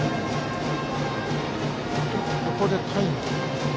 ここでタイム。